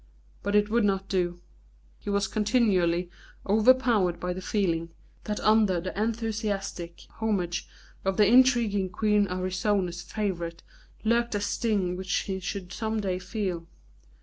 But it would not do; he was continually overpowered by the feeling that under the enthusiastic homage of the intriguing Queen Arsinoe's favourite lurked a sting which he should some day feel.